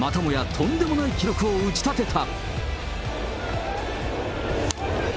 とんでもない記録を打ち立てた。